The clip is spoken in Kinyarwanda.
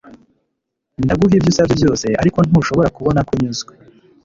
Ndaguha ibyo usabye byose ariko ntushobora kubona ko unyuzwe